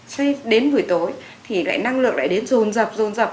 thế đến buổi tối thì lại năng lượng lại đến rồn rập rồn rập